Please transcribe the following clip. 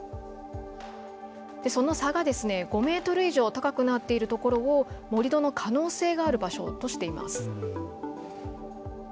その差が５メートル以上高くなっているところを盛り土の可能性がある場所としています。